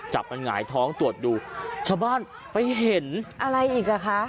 จับมันหงายท้องตรวจดูชาวบ้านไปเห็นอะไรอีกอ่ะคะ